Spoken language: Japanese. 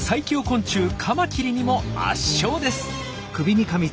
昆虫カマキリにも圧勝です！